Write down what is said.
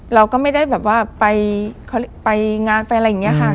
เราก็ไม่ได้แบบว่าไปงานไปอะไรอย่างนี้ค่ะ